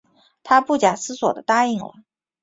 她不假思索地答应了